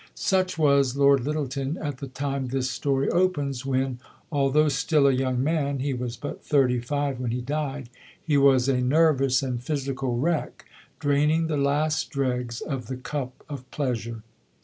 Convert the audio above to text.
Such was Lord Lyttelton at the time this story opens, when, although still a young man (he was but thirty five when he died), he was a nervous and physical wreck, draining the last dregs of the cup of pleasure.